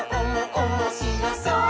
おもしろそう！」